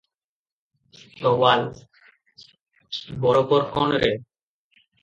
ସୱାଲ - ବରୋବର କଣ ରେ?